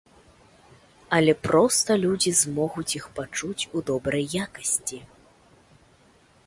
Але проста людзі змогуць іх пачуць у добрай якасці.